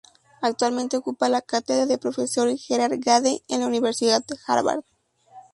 Actualmente ocupa la cátedra de profesor "Gerhard Gade" en la Universidad Harvard.